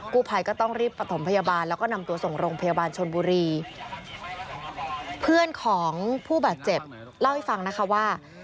ผู้ภัยก็ต้องรีบประถมพยาบาลแล้วก็นำตัวส่งโรงพยาบาลชนบุรีเพื่อนของผู้บาดเจ็บเล่าให้ฟังนะคะว่า